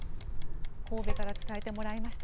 神戸から伝えてもらいました。